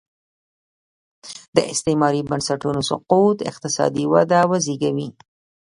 د استعماري بنسټونو سقوط اقتصادي وده وزېږوي.